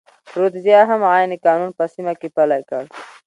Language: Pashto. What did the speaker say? رودزیا هم عین قانون په سیمه کې پلی کړ.